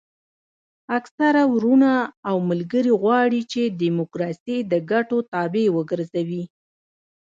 اکثره وروڼه او ملګري غواړي چې ډیموکراسي د ګټو تابع وګرځوي.